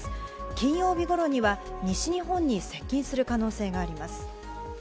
金曜日ごろには西日本に接近する可能性があります。